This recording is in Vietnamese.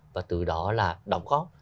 và từ đó là đóng góp